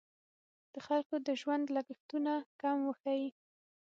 د خلکو د ژوند لګښتونه کم وښیي.